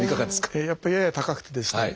やっぱりやや高くてですね